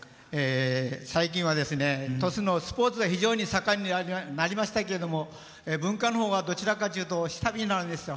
最近は、鳥栖のスポーツが非常に盛んになりましたけども文化のほうはどちらかというと下火なんですよ。